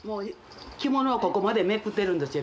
着物はここまでめくってるんですよ